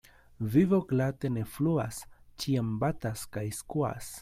Vivo glate ne fluas, ĉiam batas kaj skuas.